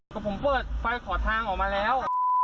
ก็ผมเปิดไฟขอทางออกมาแล้ว